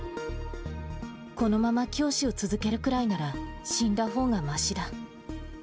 このまま教師を続けるくらいなら死んだほうがましだ。